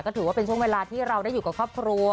ก็ถือว่าเป็นช่วงเวลาที่เราได้อยู่กับครอบครัว